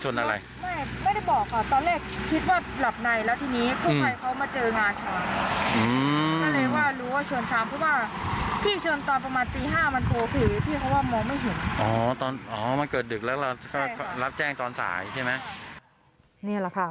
เนี่ยล่ะค่ะ